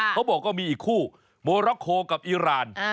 เขาบอกว่ามีอีกคู่โมร็อกโคกับอีราน